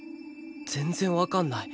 全然わかんない